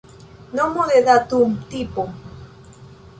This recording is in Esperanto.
Nomo de datumtipo.